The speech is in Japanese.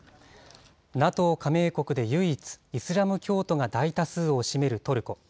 ＮＡＴＯ加盟国で唯一、イスラム教徒が大多数を占めるトルコ。